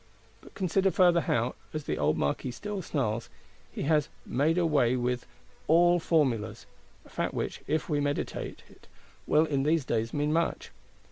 But consider further how, as the old Marquis still snarls, he has 'made away with (humé, swallowed) all Formulas;'—a fact which, if we meditate it, will in these days mean much.